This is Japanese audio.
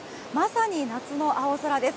まさに夏の青空です。